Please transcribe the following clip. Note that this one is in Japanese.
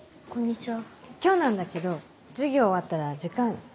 今日なんだけど授業終わったら時間ある？